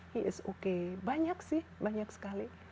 he is okay banyak sih banyak sekali